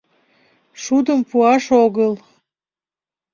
Шудым пуаш огыл.